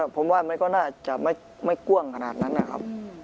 ผมว่ามันก็น่าจะไม่กว้างขนาดนั้นนะครับ